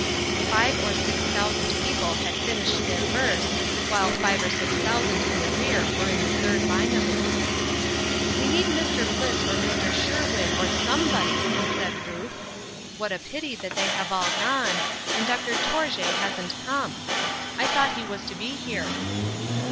Five or six thousand people had finished their verse, while five or six thousand in the rear were in the third line of it. "We need Mr. Bliss or Mr. Sherwin or somebody," said Ruth. "What a pity that they have all gone, and Dr. Tourjée hasn't come! I thought he was to be here."